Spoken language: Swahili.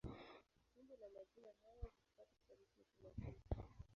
Umbo la majina haya hufuata sarufi ya Kilatini.